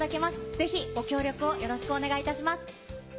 ぜひご協力をよろしくお願いいたします。